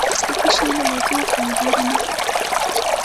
پلاستيکي شیان له لرګیو پایداره نه دي.